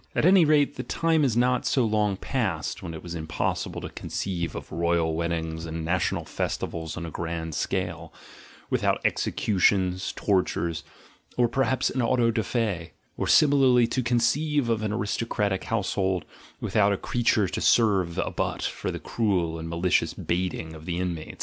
At any rate the time is not so long past when it was impossible to conceive of royal weddings and national festivals on a grand scale, without executions, tortures, or perhaps an auto da jc, or similarly to conceive of an aristocratic household, without a creature to serve a butt for the cruel and malicious baiting of the in mates.